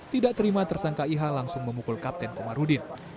tidak terima tersangka iha langsung memukul kapten komarudin